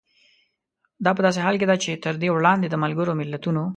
دا په داسې حال کې ده چې تر دې وړاندې د ملګرو ملتونو